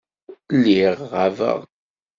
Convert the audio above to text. Lliɣ ɣabeɣ.